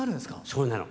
そうなの。